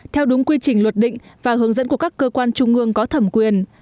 theo đúng quy trình luật định và hướng dẫn của các cơ quan trung ương có thẩm quyền